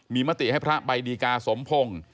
มีมติให้พระใบดีกาสมพงศ์